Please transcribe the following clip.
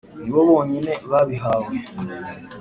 ni bo bonyine babihawe